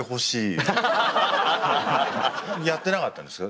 やってなかったんでしょ？